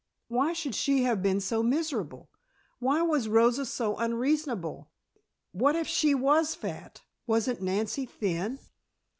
Why should she have been made so miserable? Why was Rosa so unreasonable? What if she was fat, wasn't Nancy thin?